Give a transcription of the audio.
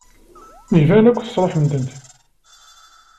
Iban akk tesṛuḥem-tent.